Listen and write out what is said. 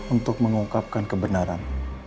untuk mengungkapkan kebenaran